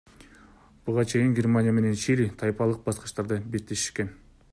Буга чейин Германия менен Чили тайпалык баскычтарда беттешишкен.